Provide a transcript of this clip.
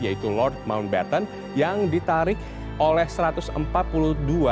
yaitu lord mountbatten yang ditarik oleh satu ratus empat puluh dua anggota angkatan laut kerajaan